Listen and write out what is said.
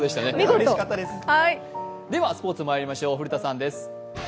スポ−ツまいりましょう、古田さんです。